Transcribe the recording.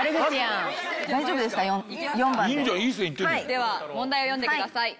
では問題を読んでください。